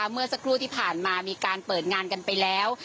เมื่อสักครู่ที่ผ่านมามีการเปิดงานกันไปแล้ว